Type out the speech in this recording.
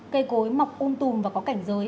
cây cối mọc un tùm và có cảnh giới